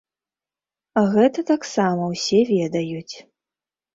Гэта таксама ўсе ведаюць.